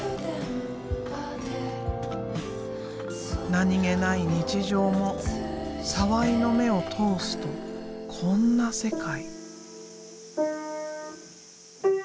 何気ない日常も澤井の目を通すとこんな世界。